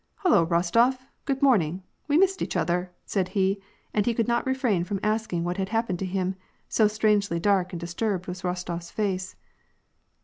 ''Hollo, Rostof! Good morning; we missed each other/' said he, and he could not refrain from asking what had hap pened to him, so strangely dark and disturbed was RostoPs face.